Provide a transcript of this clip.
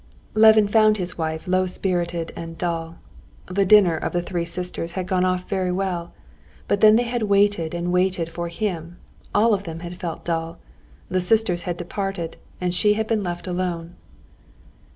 Levin found his wife low spirited and dull. The dinner of the three sisters had gone off very well, but then they had waited and waited for him, all of them had felt dull, the sisters had departed, and she had been left alone.